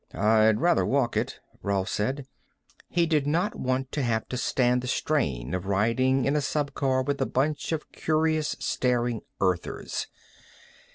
"I'd rather walk it," Rolf said. He did not want to have to stand the strain of riding in a subcar with a bunch of curious staring Earthers.